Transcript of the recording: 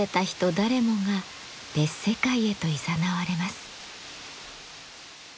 誰もが別世界へといざなわれます。